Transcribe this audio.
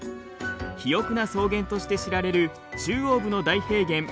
肥沃な草原として知られる中央部の大平原